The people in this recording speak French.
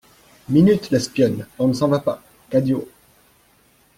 Minute, l'espionne ! on ne s'en va pas ! CADIO.